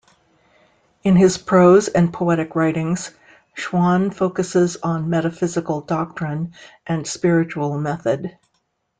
In his prose and poetic writings, Schuon focuses on metaphysical doctrine and spiritual method.